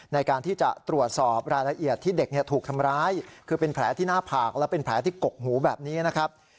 ในการที่จะตรวจสอบรายละเอียดที่เด็กถูกทำร้ายคือเป็นแผลที่หน้าผากและเป็นแผลที่กกหูแบบนี้นะครับ